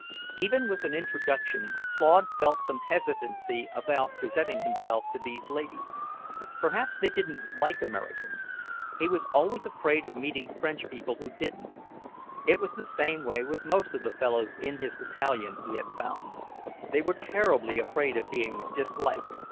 Even with an introduction, Claude felt some hesitancy about presenting himself to these ladies. Perhaps they didn't like Americans; he was always afraid of meeting French people who didn't. It was the same way with most of the fellows in his battalion, he had found; they were terribly afraid of being disliked.